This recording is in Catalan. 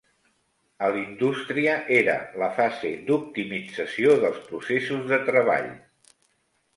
A l'industria, era la fase d'optimització dels processos de treball.